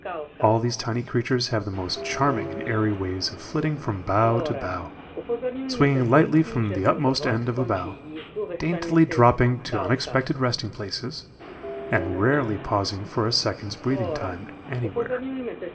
All these tiny creatures have the most charming and airy ways of flitting from bough to bough, swinging lightly from the utmost end of a bough, daintily dropping to unexpected resting places, and rarely pausing for a second's breathing time anywhere.